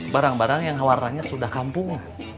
barang barang yang warnanya sudah kampung